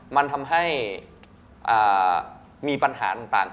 มันทำให้มีปัญหาต่าง